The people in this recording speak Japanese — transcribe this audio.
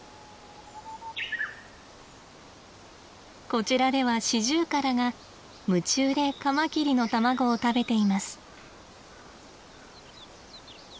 こちらではシジュウカラが夢中でカマキリの卵を食べています。